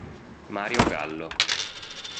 Mario Gallo